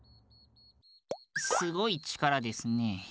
すごいちからですね。